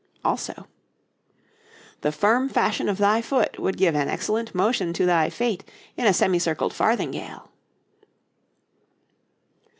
Also: 'The firm fashion of thy foot would give an excellent motion to thy fait in a semicircled farthingale.'